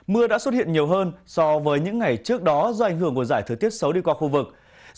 mưa đã xuất hiện nhiều hơn so với những ngày trước đó do ảnh hưởng của giải thời tiết xấu đi qua khu vực